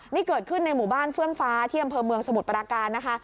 นี่เกิดขึ้นในหมู่บ้านเฟื่องฟ้าที่อำเภอเมืองสมุทรปราการนะคะ